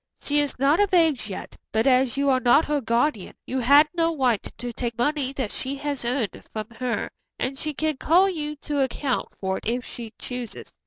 She is not of age yet, but as you are not her guardian, you had no right to take money that she has earned from her, and she can call you to account for it if she chooses.